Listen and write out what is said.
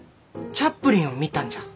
チャップリンを見たんじゃ。